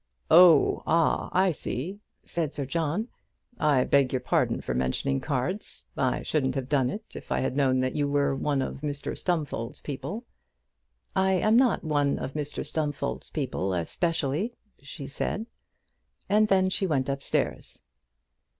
"Oh, ah; I see," said Sir John. "I beg your pardon for mentioning cards. I shouldn't have done it, if I had known that you were one of Mr Stumfold's people." "I am not one of Mr Stumfold's people especially," she said, and then she went upstairs.